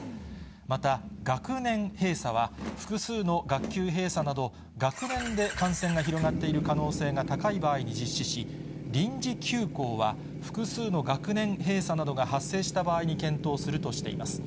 また、学年閉鎖は、複数の学級閉鎖など、学年で感染が広がっている可能性が高い場合に実施し、臨時休校は、複数の学年閉鎖などが発生した場合に検討するとしています。